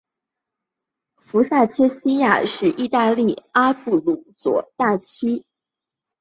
福萨切西亚是意大利阿布鲁佐大区基耶蒂省的一个镇。